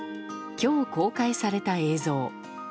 今日公開された映像。